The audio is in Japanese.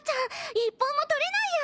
一本も取れないや